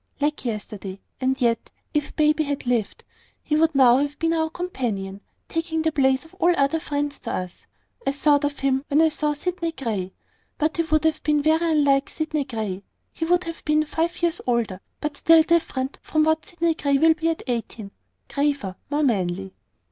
"Like yesterday: and yet, if baby had lived, he would now have been our companion, taking the place of all other friends to us. I thought of him when I saw Sydney Grey; but he would have been very unlike Sydney Grey. He would have been five years older, but still different from what Sydney will be at eighteen graver, more manly."